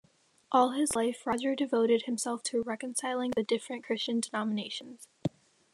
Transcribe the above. All his life, Roger devoted himself to reconciling the different Christian denominations.